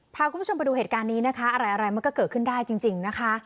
พาคุณผู้ชมไปดูเหตุการณ์นี้นะคะอะไรมันก็เกิดขึ้นได้จริงนะคะ